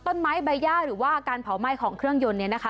ต้นไม้ใบหญ้าหรือว่าการเผาไหม้ของเครื่องยนต์